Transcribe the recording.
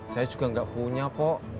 saya juga gak punya pok